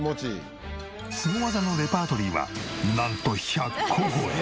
スゴ技のレパートリーはなんと１００個超え。